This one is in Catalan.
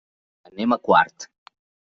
Anem a Quart.